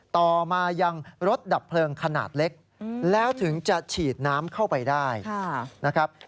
ต่อมายังรถดับเพลิงขนาดเล็กแล้วถึงจะฉีดน้ำเข้าไปได้นะครับ